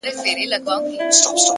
هوښیار انسان د احساساتو لار سموي’